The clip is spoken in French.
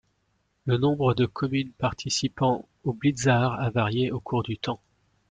Le nombre de communes participant au biltzar a varié au cours du temps.